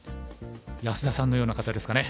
安田さんのような方ですかね？